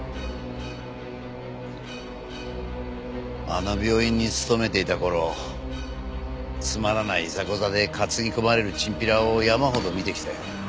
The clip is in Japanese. あの病院に勤めていた頃つまらないいざこざで担ぎ込まれるチンピラを山ほど見てきたよ。